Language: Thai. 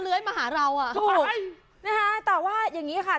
มาหาเราอ่ะถูกนะคะแต่ว่าอย่างงี้ค่ะ